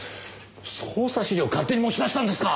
捜査資料勝手に持ち出したんですか！？